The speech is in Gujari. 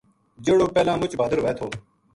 جہڑو پہلاں مُچ بہادر وھے تھو